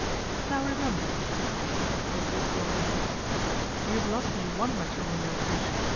" Now remember," said Patricia as they walked along the hall, " you've lost me one matrimonial fish.